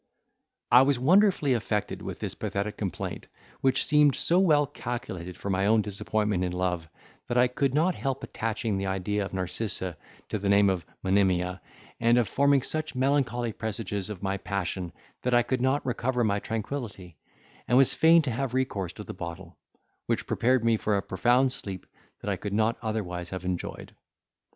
I was wonderfully affected with this pathetic complaint, which seemed so well calculated for my own disappointment in love, that I could not help attaching the idea of Narcissa to the name of Monimia, and of forming such melancholy presages of my passion, that I could not recover my tranquillity: and was fain to have recourse to the bottle, which prepared me for a profound sleep that I could not otherwise have enjoyed.